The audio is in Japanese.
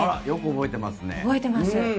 よく覚えていますね。